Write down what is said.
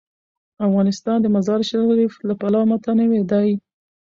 افغانستان د مزارشریف له پلوه متنوع دی.